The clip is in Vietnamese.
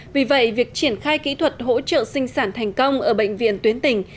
vì vậy việc triển khai kỹ thuật hỗ trợ sinh sản thành công ở bệnh viện tuyến tỉnh